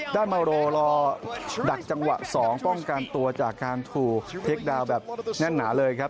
มาโรรอดักจังหวะ๒ป้องกันตัวจากการถูกเทคดาวน์แบบแน่นหนาเลยครับ